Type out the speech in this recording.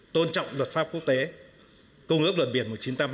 tôn trọng luật pháp quốc tế công ước luật biển một nghìn chín trăm tám mươi hai